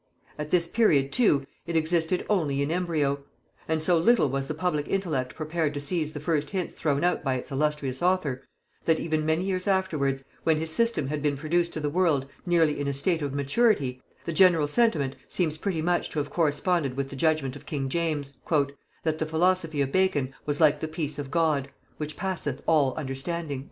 At this period, too, it existed only in embryo; and so little was the public intellect prepared to seize the first hints thrown out by its illustrious author, that even many years afterwards, when his system had been produced to the world nearly in a state of maturity, the general sentiment seems pretty much to have corresponded with the judgement of king James, "that the philosophy of Bacon was like the peace of God, which passeth all understanding."